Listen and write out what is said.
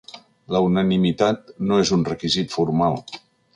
La unanimitat no és un ‘requisit formal’